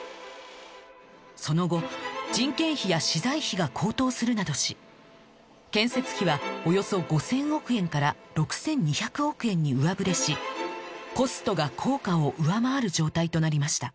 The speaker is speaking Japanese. その後人件費や資材費が高騰するなどし建設費はおよそ５０００億円から６２００億円に上振れしコストが効果を上回る状態となりました